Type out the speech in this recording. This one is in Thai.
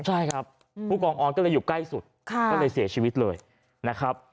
ใช่ครับผู้กองออสก็เลยอยู่ใกล้สุดก็เลยเสียชีวิตเลยนะครับ